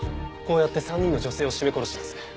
こうやって３人の女性を絞め殺してます。